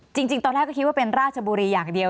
จริงตอนแรกก็คิดว่าเป็นราชบุรีอย่างเดียว